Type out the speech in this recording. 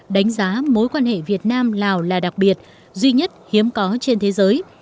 đánh giá mối quan hệ việt nam lào là đặc biệt duy nhất hiếm có trên thế giới